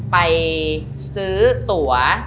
ไปซื้อตั๋ว